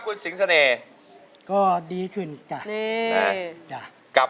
เล่นแน่นอนครับ